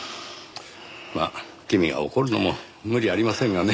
まあ君が怒るのも無理ありませんがね。